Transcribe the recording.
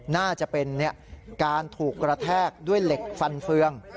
น่าจะเป็นการถูกกระแทกด้วยเหล็กฟันเฟือง